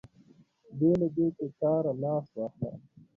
بې له دې چې له کاره لاس واخلم.